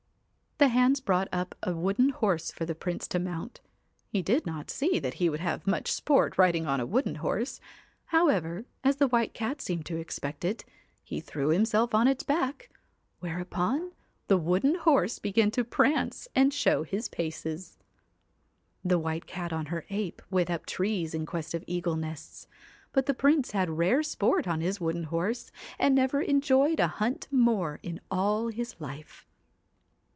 The hands brought up a wooden horse for the Prince to mount. He did not see that he would have much sport riding on a wooden horse ; however, as the White Cat seemed to expect it, he threw himself on its back, where 212 upon the wooden horse began to prance and show his paces. The White Cat on her ape went up trees in quest of eagle nests ; but the Prince had rare sport on his wooden horse, and never enjoyed a hunt more in all his life.